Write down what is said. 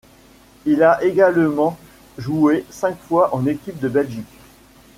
Il a également joué cinq fois en équipe de Belgique.